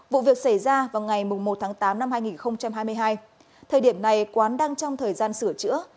vụ việc xảy ra vào ngày một tháng tám năm hai nghìn hai mươi hai thời điểm này quán đang trong thời gian sửa chữa